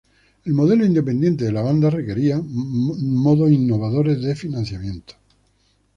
El modelo independiente de la banda requería modos innovadores de financiamiento.